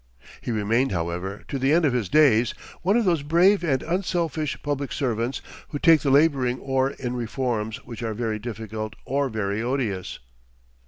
He remained, however, to the end of his days, one of those brave and unselfish public servants who take the laboring oar in reforms which are very difficult or very odious.